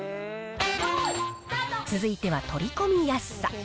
続いては取り込みやすさ。